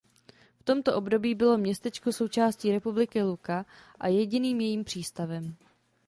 V tomto období bylo městečko součástí republiky Lucca a jediným jejím přístavem.